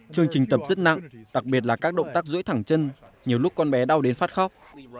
chương trình tập rất nặng đặc biệt là các động tác rỗi thẳng chân nhiều lúc con bé đau đến phát khóc